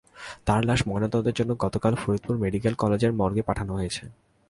তাঁর লাশ ময়নাতদন্তের জন্য গতকাল ফরিদপুর মেডিকেল কলেজের মর্গে পাঠানো হয়েছে।